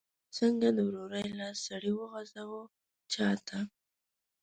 څنګه د ورورۍ لاس سړی وغځوي چاته؟